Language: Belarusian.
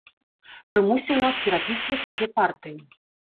Прымусіў нас перапісваць усе партыі.